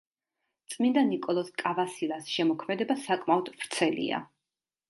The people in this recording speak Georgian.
წმინდა ნიკოლოზ კავასილას შემოქმედება საკმაოდ ვრცელია.